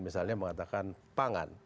misalnya mengatakan pangan